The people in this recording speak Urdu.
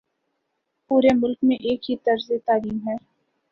پورے ملک میں ایک ہی طرز تعلیم ہے۔